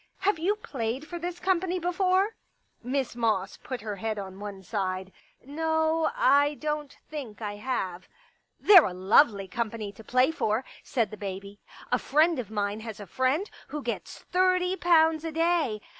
Have you played for this company befone ?" Miss Moss put her head on one side. " No, I don't think I have." i66 I Pictures " They're a lovely company to play for," said the baby. " A friend of mine has a friend who gets thirty pounds a day.